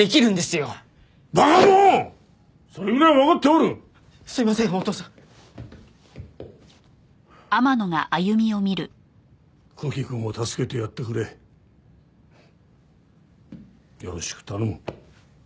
よろしく頼む。